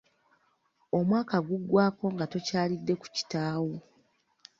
Omwaka guggwaako nga tokyalidde ku kitaawo.